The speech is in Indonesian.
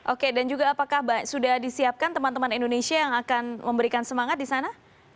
oke dan juga apakah sudah disiapkan teman teman indonesia yang akan memberikan semangat di sana